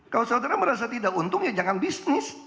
kalau saudara merasa tidak untung ya jangan bisnis